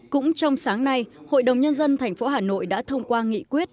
cũng trong sáng nay hội đồng nhân dân thành phố hà nội đã thông qua nghị quyết